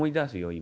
今。